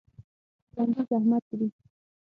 ژوندي زحمت وړي